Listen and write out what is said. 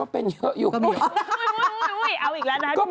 อืมอืมอืมอืมอืม